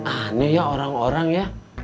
aneh ya orang orang ya